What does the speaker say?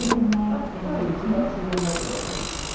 あっはい一番自然な一手だと思います。